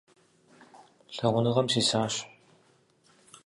Лъагъуныгъэм сисащ…